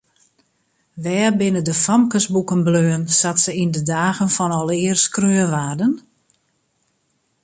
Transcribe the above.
Wêr binne de famkesboeken bleaun sa't se yn de dagen fan alear skreaun waarden?